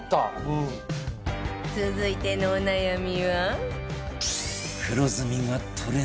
続いてのお悩みは